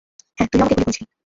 হ্যাঁ, তুইও আমাকে গুলি করেছিলি!